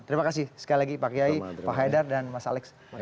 terima kasih sekali lagi pak kiai pak haidar dan mas alex